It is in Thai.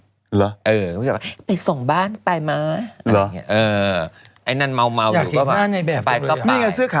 หรือไปส่งบ้านไปมั้ยอะไรอย่างนี้เออ